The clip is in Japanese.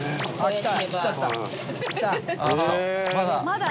まだ。